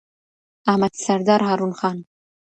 احمد سردار هارون خان